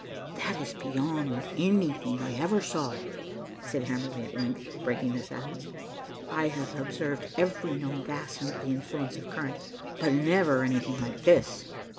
"That is beyond anything I ever saw," said Hamerly at length, breaking the silence. "I have observed every known gas under the influence of current, but never anything like this."